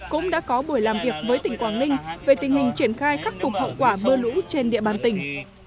cũng đã có buổi làm việc với tỉnh quảng ninh về tình hình triển khai khắc phục hậu quả mưa lũ trên địa bàn tỉnh